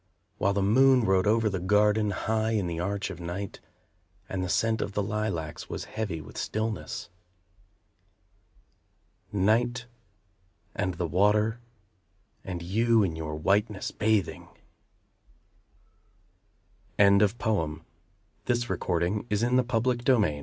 While the moon rode over the garden, High in the arch of night, And the scent of the lilacs was heavy with stillness. Night, and the water, and you in your whiteness, bathing! A Tulip Garden Guarded within the old red wall's embr